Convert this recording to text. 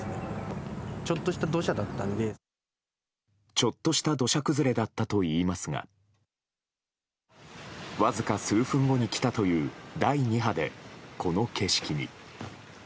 ちょっとした土砂崩れだったといいますがわずか数分後に来たという第２波で、この景色に。